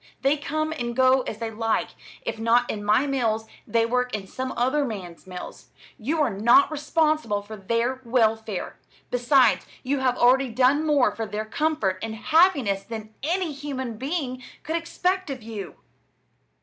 They come and go as they like. If not in my mills, they work in some other man's mills. You are not responsible for their welfare. Besides, you have already done more for their comfort and happiness than any human being could expect of you!"